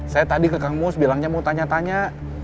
saya tadi ke kang mus bilangnya mau tanya tanya